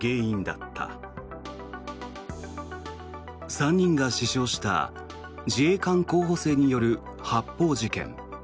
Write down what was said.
３人が死傷した自衛官候補生による発砲事件。